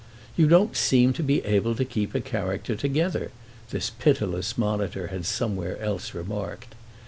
"You don't seem able to keep a character together," this pitiless monitor had somewhere else remarked.